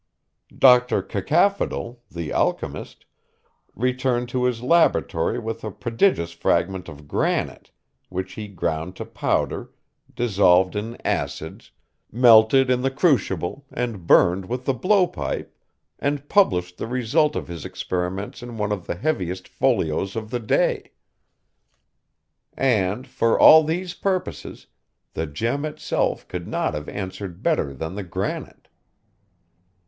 Doctor Cacaphodel, the alchemist, returned to his laboratory with a prodigious fragment of granite, which he ground to powder, dissolved in acids, melted in the crucible, and burned with the blow pipe, and published the result of his experiments in one of the heaviest folios of the day. And, for all these purposes, the gem itself could not have answered better than the granite.